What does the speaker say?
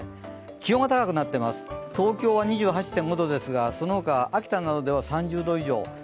気温が高くなっています、東京は２８．５度ですがその他、秋田などでは３０度以上。